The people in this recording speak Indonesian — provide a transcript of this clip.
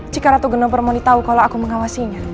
jika ratu genompermoni tahu kalau aku mengawasinya